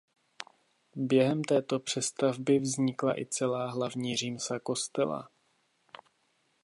Během této přestavby vznikla i celá hlavní římsa kostela.